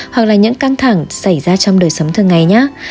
hoặc là những căng thẳng xảy ra trong đời sống thường ngày nhé